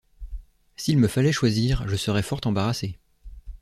S’il me fallait choisir, je serais fort embarrassée.